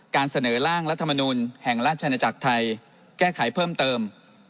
เสนอร่างรัฐมนุนแห่งราชนาจักรไทยแก้ไขเพิ่มเติม